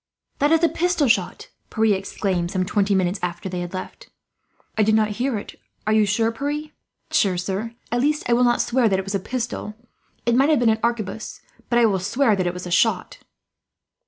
"That is a pistol shot!" Pierre exclaimed, some twenty minutes after they left. "I did not hear it. Are you sure, Pierre?" "Quite sure, sir. At least, I will not swear that it was a pistol it might have been an arquebus but I will swear it was a shot."